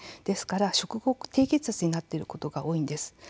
ですから低血圧になっていることが多いんです。